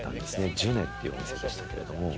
ジュネっていうお店でしたけれども。